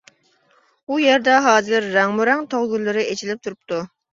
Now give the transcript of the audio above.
ئۇ يەردە ھازىر رەڭمۇرەڭ تاغ گۈللىرى ئېچىلىپ تۇرۇپتۇ.